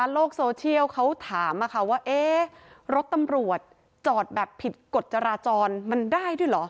โลกโซเชียลเขาถามว่ารถตำรวจจอดแบบผิดกฎจราจรมันได้ด้วยเหรอ